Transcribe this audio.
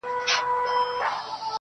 منم چي ټولو سردونو کي به ځان ووينم